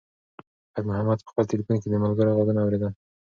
خیر محمد په خپل تلیفون کې د ملګرو غږونه اورېدل.